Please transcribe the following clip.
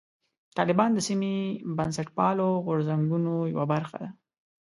طالبان د سیمې بنسټپالو غورځنګونو یوه برخه ده.